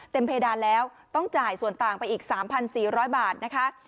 เต็มเพดานแล้วต้องจ่ายส่วนต่างไปอีกสามพันสี่ร้อยบาทนะคะ